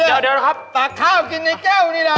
เดี๋ยวนะครับตากข้าวกินในแก้วนี่แหละ